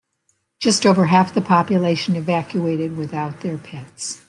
Just over half the population evacuated without their pets.